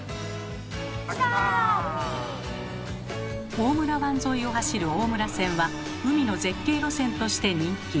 大村湾沿いを走る大村線は海の絶景路線として人気。